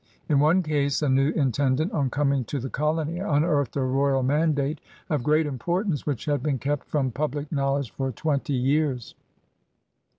In one case a new intendant on coming to the colony unearthed a royal mandate of great import ance which had been kept from public knowledge for twenty years.